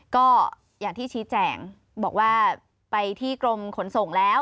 ก็อย่างที่ชี้แจงบอกว่าไปที่กรมขนส่งแล้ว